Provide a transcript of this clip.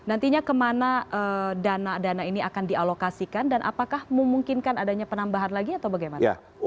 nantinya kemana dana dana ini akan dialokasikan dan apakah memungkinkan adanya penambahan lagi atau bagaimana